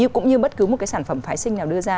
cũng như bất cứ một cái sản phẩm phái sinh nào đưa ra